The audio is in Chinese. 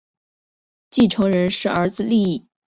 继承人是儿子利意。